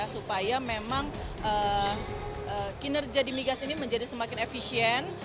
supaya memang kinerja di migas ini menjadi semakin efisien